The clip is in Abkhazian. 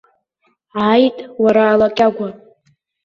Ааит, уара алакьагәа!